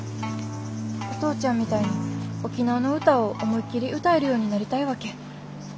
お父ちゃんみたいに沖縄の歌を思いっきり歌えるようになりたいわけ。